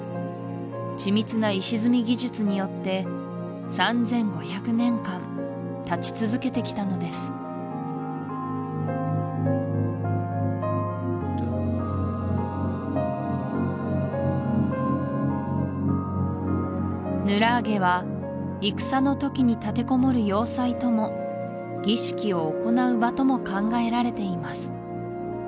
緻密な石積み技術によって３５００年間たち続けてきたのですヌラーゲは戦の時に立てこもる要塞とも儀式を行う場とも考えられています